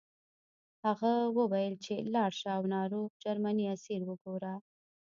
هغه وویل چې لاړ شه او ناروغ جرمنی اسیر وګوره